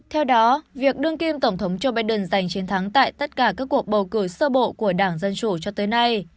theo đó việc đương kim tổng thống joe biden giành chiến thắng tại tất cả các cuộc bầu cử sơ bộ của đảng dân chủ cho tới nay